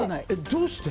どうして？